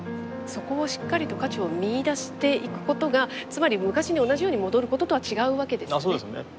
そこをしっかりと価値を見いだしていくことがつまり昔に同じように戻ることとは違うわけですよね。